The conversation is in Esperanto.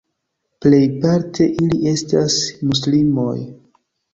Plejparte ili estas muslimoj.